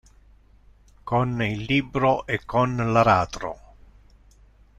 Con il libro e con l'aratro.